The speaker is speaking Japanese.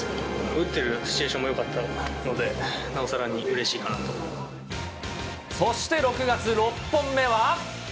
打ってるシチュエーションもよかったので、そして６月６本目は。